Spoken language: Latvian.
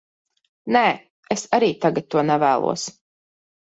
Nē, es arī tagad to nevēlos.